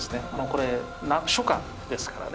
これ初夏ですからね。